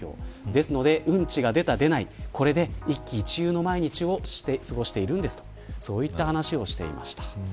ですので、うんちが出た出ないで一喜一憂の毎日を過ごしているんですとそういった話をしていました。